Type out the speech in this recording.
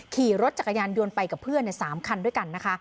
ขี่รถจักรยานยนต์ไปกับเพื่อน๓คันด้วยกันนะคะ